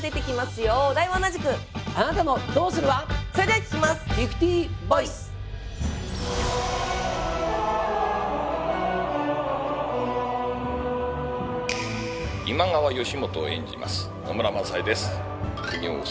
今川義元を演じます野村萬斎です。